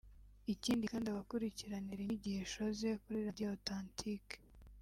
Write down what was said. Ikindi kandi abakurikiranira inyigisho ze kuri radio Authentique